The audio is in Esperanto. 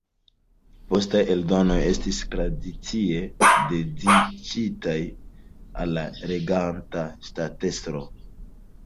Postaj eldonoj estis tradicie dediĉitaj al la reganta ŝtatestro.